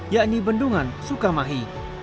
yakni bendungan sukamahi